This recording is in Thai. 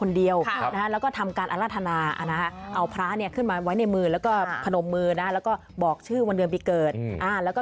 มีบทสวดด้านหน้าให้ไปด้วย